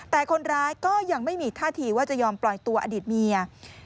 แต่คนร้ายก็ยังไม่มีท่าทีว่าจะยอมปล่อยตัวอดีตเมีย